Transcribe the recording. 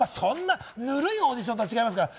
そんな、ぬるいオーディションとは違いますから。